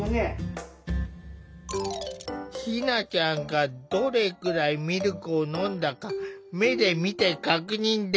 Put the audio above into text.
ひなちゃんがどれくらいミルクを飲んだか目で見て確認できない。